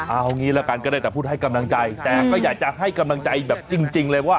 เอางี้ละกันก็ได้แต่พูดให้กำลังใจแต่ก็อยากจะให้กำลังใจแบบจริงเลยว่า